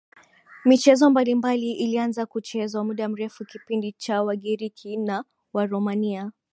michezo mbalimbali ilianza kuchezwa muda mrefu Kipindi cha wagiriki na waromania